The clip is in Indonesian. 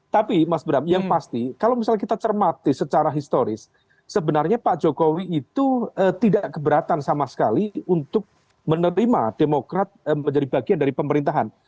tapi mas bram yang pasti kalau misalnya kita cermati secara historis sebenarnya pak jokowi itu tidak keberatan sama sekali untuk menerima demokrat menjadi bagian dari pemerintahan